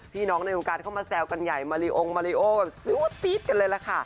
พี่น้องในโอกาสเข้ามาแซวกันใหญ่มาริองมาริโอแบบซี๊ดกันเลยแหละค่ะ